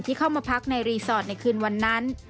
เข้ามาพักในรีสอร์ทในคืนวันนั้น